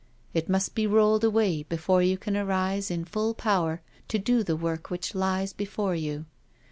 It must be rolled away before you can arise in full power to do the work which lies before you.'